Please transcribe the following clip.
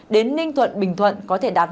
đến ninh thuận bình thuận có thể đạt